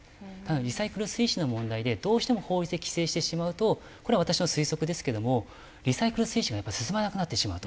リサイクル推進の問題でどうしても法律で規制してしまうとこれは私の推測ですけどもリサイクル推進が進まなくなってしまうと。